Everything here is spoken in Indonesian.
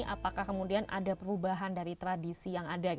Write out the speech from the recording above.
apakah kemudian ada perubahan dari tradisi yang ada